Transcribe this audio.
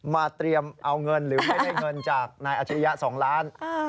เตรียมเอาเงินหรือไม่ได้เงินจากนายอาชิริยะ๒ล้าน